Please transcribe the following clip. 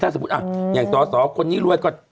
ถ้าสมมุติอ่ะอย่างต่อคนนี้รวยก็